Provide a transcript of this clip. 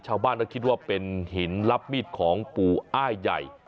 ชาวบ้านก็คิดว่าเป็นหินรับมีดของปู่อ้ายใหญ่